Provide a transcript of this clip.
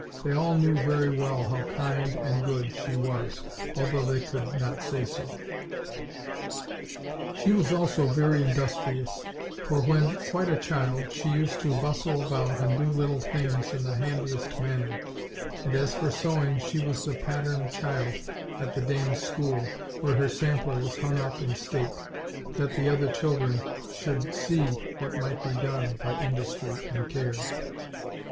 They all knew very well how kind and good she was, although they could not say so. She was also very industrious; for when quite a child she used to bustle about and do little things in the hand iest manner; and as for sewing, she was the pattern child at the dame's school, where her sampler was hung up in state, that the other children should see what might be done by industry and care.